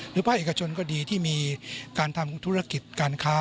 ภาคเอกชนก็ดีที่มีการทำธุรกิจการค้า